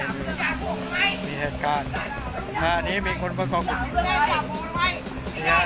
ไม่ทียากเข้ามาหรอกรู้ว่าเป็นแค่ยาม